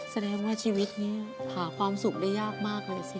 แสดงว่าชีวิตนี้หาความสุขได้ยากมากเลยสิ